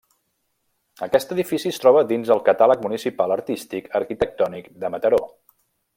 Aquest edifici es troba dins el Catàleg Municipal Artístic Arquitectònic de Mataró.